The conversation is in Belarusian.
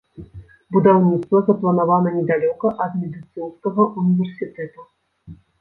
Будаўніцтва запланавана недалёка ад медыцынскага універсітэта.